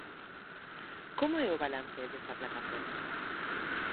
Como é o balance desta plataforma?